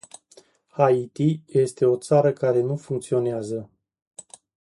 Haiti este o țară care nu funcționează.